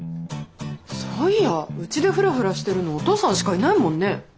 そういやうちでフラフラしてるのお父さんしかいないもんね。